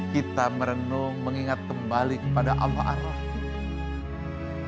kita merenung mengingat kembali kepada allah ar rahim